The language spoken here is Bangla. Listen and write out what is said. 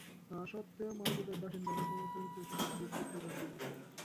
তা সত্ত্বেও মালদ্বীপের বাসিন্দারা গণতন্ত্রের সুখ ভোগ করতে পারেনি।